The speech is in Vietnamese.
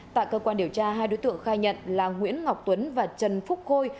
tại cơ quan điều tra hai đối tượng khai nhận là nguyễn ngọc tuấn và trần phúc khôi